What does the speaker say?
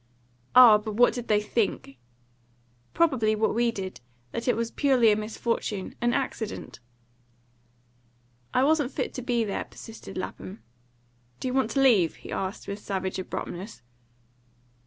"Ah, but what did they think?" "Probably what we did: that it was purely a misfortune an accident." "I wasn't fit to be there," persisted Lapham. "Do you want to leave?" he asked, with savage abruptness.